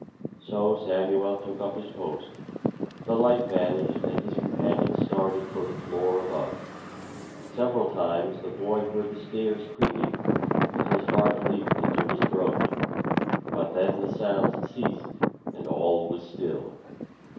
So Samuel took up his post; the light vanished and his companion started for the floor above. Several times the boy heard the stairs creaking, and his heart leaped into his throat; but then the sounds ceased and all was still.